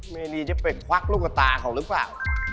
เมนีจะไปควักลูกตาเขาหรือเปล่า